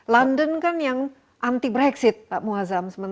london kan yang anti brexit pak muazzam